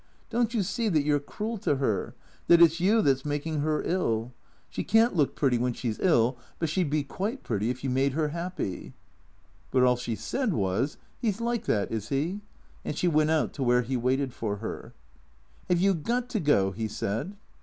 Don't you see that you 're cruel to her ? That it's you that's making her ill? She can't look pretty when 174 THECKEATORS she 's ill, but she 'd be quite pretty if you made her happy." But all she said was, " He 's like that, is he ?" And she went out to where he waited for her. " Have you got to go? " he said.